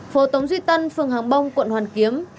phố tống duy tân phường hàng bông quận hoàn kiếm